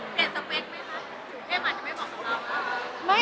เปลี่ยนสเปคไม่ค่อย